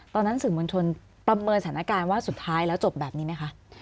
ตอนนั้นสื่อมวลชนประเมินสถานการณ์ว่าสุดท้ายแล้วจบแบบนี้ไหมคะ